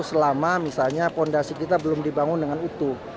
selama misalnya fondasi kita belum dibangun dengan utuh